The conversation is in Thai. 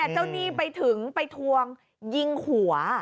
เจ้าหนี้ไปถึงไปทวงยิงหัว